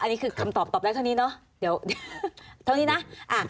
นี้คือคำตอบตอบแรกเท่านี้เนาะ